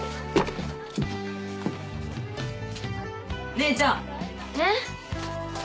姉ちゃんえっ？